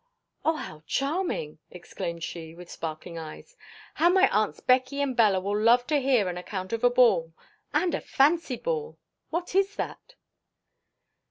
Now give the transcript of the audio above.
"Oh, how charming!" exclaimed she, with sparkling eyes, "how my aunts Becky and Bella will love to hear an account of a ball! And a fancy ball! what is that?"